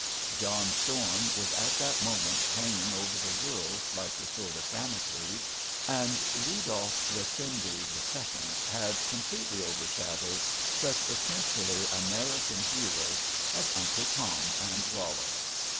John Storm was at that moment hanging over the world like the sword of Damocles, and Rudolf Rassendyll had completely overshadowed such essentially American heroes as Uncle Tom and Rollo.